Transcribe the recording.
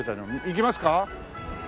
行きますか？